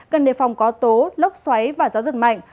cần đề phòng có tố lốc xoáy và gió giật mạnh